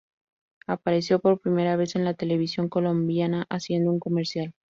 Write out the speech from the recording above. Apareció por primera vez en la televisión colombiana haciendo un comercial.